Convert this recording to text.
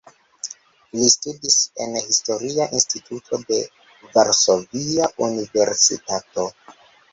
Li studis en Historia Instituto de Varsovia Universitato.